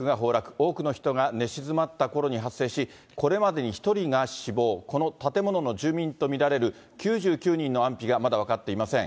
多くの人が寝静まったころに発生し、これまでに１人が死亡、この建物の住民と見られる９９にんのあんぴがまだ分かっていません。